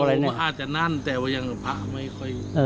ผมก็อาจจะนั่นแต่ว่ายังพระไม่ค่อย